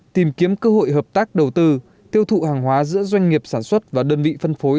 tìm kiếm cơ hội hợp tác đầu tư tiêu thụ hàng hóa giữa doanh nghiệp sản xuất và đơn vị phân phối